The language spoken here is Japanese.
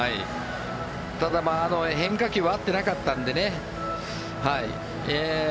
ただ、変化球は合ってなかったんでね